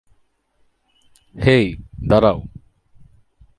হেই, দাঁড়াও।